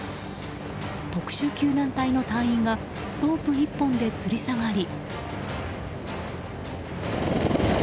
特殊救難隊の隊員がロープ１本でつりさがり。